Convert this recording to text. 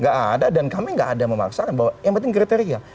gak ada dan kami nggak ada yang memaksakan bahwa yang penting kriteria